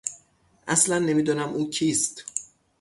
اصلا نمیدانم او کیست.